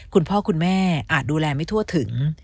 คุณพ่อคุณแม่อาจดูแลไม่ทั่วถึง